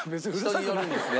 人によるんですね。